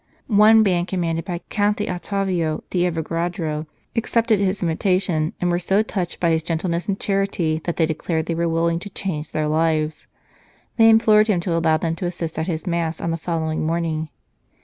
One band, commanded by Count d Ottavio d Avogradro, accepted his invitation, and were so touched by his gentleness and charity that they declared they were willing to change their lives. They implored him to allow them to assist at his Mass on the following morning.